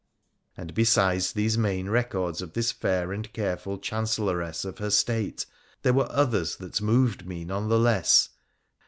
And, besides these main records of this fair and careful chanccllorcss of her state, there were others that moved ma PffSA THE PH&NlClAlt 39 none the less.